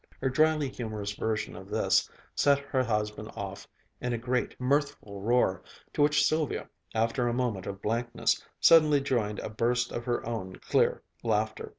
Her dryly humorous version of this set her husband off in a great mirthful roar, to which Sylvia, after a moment of blankness, suddenly joined a burst of her own clear laughter.